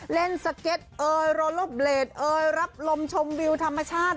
เล่นสเก็ตโรโลเบรดรับลมชมวิวธรรมชาติ